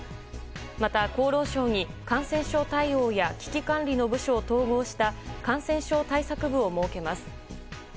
また、厚労省に感染症対応や危機管理の部署を統合した感染症対策部を設けます。